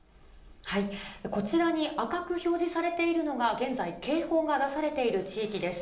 こちらに赤く表示されているのが、現在、警報が出されている地域です。